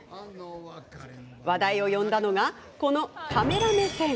話題を読んだのがこのカメラ目線。